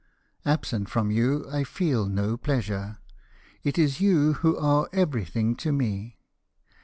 Absent from you, I feel no pleasure : it is you who are everything to me.